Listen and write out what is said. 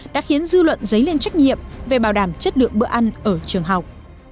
đã khiến dư luận dấy lên trách nhiệm về bảo đảm chất lượng bữa ăn ở trường học